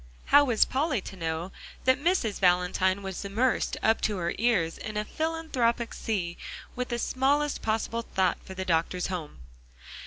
How was Polly to know that Mrs. Valentine was immersed up to her ears in a philanthropic sea with the smallest possible thought for the doctor's home?